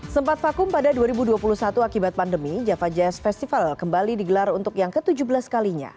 sempat vakum pada dua ribu dua puluh satu akibat pandemi java jazz festival kembali digelar untuk yang ke tujuh belas kalinya